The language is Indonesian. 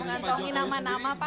diumuminnya kapan pak